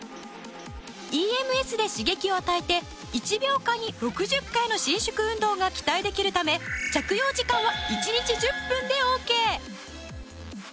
ＥＭＳで刺激を与えて１秒間に６０回の伸縮運動が期待できるため着用時間は１日１０分でオーケー！